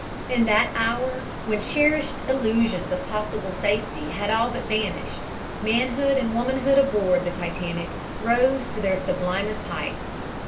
In that hour, when cherished illusions of possible safety had all but vanished, manhood and womanhood aboard the Titanic rose to their sublimest heights.